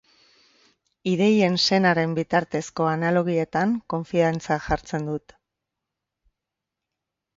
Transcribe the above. Ideien senaren bitartezko analogietan konfiantza jartzen dut.